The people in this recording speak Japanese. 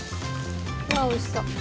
ああおいしそう。